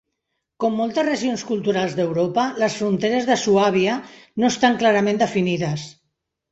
Com moltes regions culturals d'Europa, les fronteres de Suàbia no estan clarament definides.